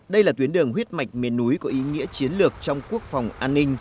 đây là tuyến đường huyết mạch miền núi có ý nghĩa chiến lược trong quốc phòng an ninh